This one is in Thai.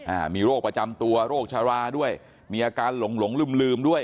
อ่ามีโรคประจำตัวโรคชะลาด้วยมีอาการหลงหลงลืมลืมด้วย